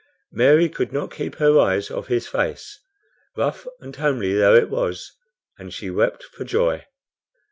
Mary could not keep her eyes off his face, rough and homely though it was, and she wept for joy.